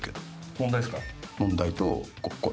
問題ですか？